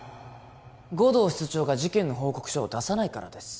護道室長が事件の報告書を出さないからです